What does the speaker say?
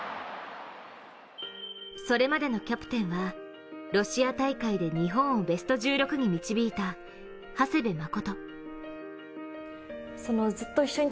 それまでのキャプテンはロシア大会で日本をベスト１６に導いた、長谷部誠。